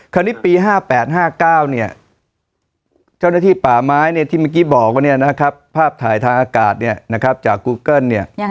ตอนนี้ปี๒๕๕๙เจ้าหน้าที่ป่าไม้ที่มาบอกว่าครับภาพถ่ายทางอากาศจากกูเกิล